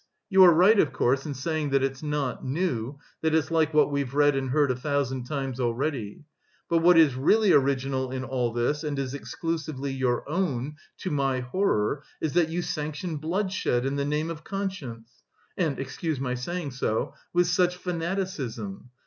You are right, of course, in saying that it's not new, that it's like what we've read and heard a thousand times already; but what is really original in all this, and is exclusively your own, to my horror, is that you sanction bloodshed in the name of conscience, and, excuse my saying so, with such fanaticism....